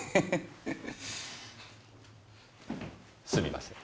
すみません。